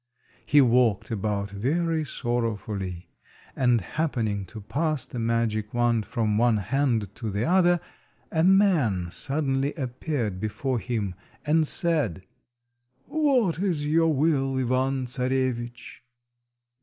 He walked about very sorrowfully, and happening to pass the magic wand from one hand to the other, a man suddenly appeared before him, and said— "What is your will, Ivan Czarewitch?"